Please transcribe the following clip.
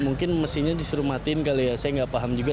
mungkin mesinnya disuruh matiin kali ya saya nggak paham juga